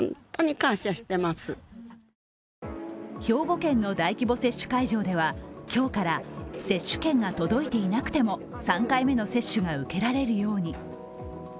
兵庫県の大規模接種会場では今日から接種券が届いていなくても３回目の接種が受けられるように。